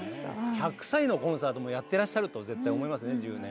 １００歳のコンサートもやってらっしゃると思いますね１０年後は。